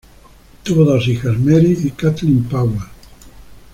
Tuvieron dos hijas, Mary y Kathleen Powell.